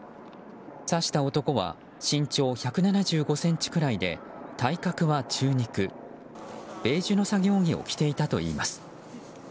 刺した男は身長１７５ｃｍくらいで体格は中肉ベージュの作業着を着ていたといいます。